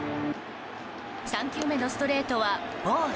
３球目のストレートはボール。